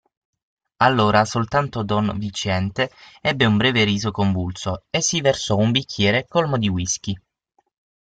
Allora soltanto don Viciente ebbe un breve riso convulso e si versò un bicchiere colmo di whisky.